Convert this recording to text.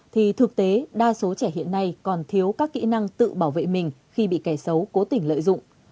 thì thực tế đa số trẻ hiện nay còn thiếu các kỹ năng tự bảo vệ mình khi bị kẻ xấu cố tình lợi dụng